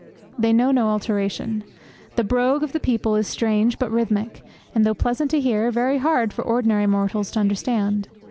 They know no alteration. The brogue of the people is strange but rhythmic, and, though pleasant to hear, very hard for ordinary mortals to understand.